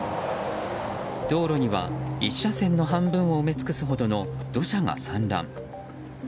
道路には１車線の半分を埋め尽くすほどの土砂が散乱。